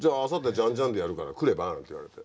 ジァン・ジァンでやるから来れば？なんて言われて。